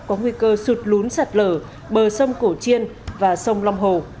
có nguy cơ sụt lún sạt lở bờ sông cổ chiên và sông long hồ